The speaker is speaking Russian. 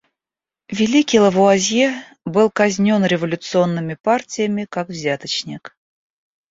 Великий Лавуазье был казнен революционными партиями как взяточник.